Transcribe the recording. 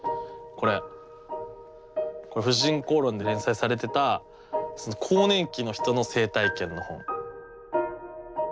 これ「婦人公論」で連載されてた更年期の人の性体験の本。